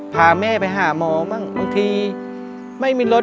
พาแม่ไปหาหมอบ้างบางทีไม่มีรถ